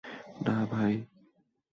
না, ভাই।